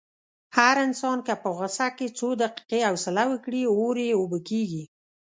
هر انسان که په غوسه کې څو دقیقې حوصله وکړي، اور یې اوبه کېږي.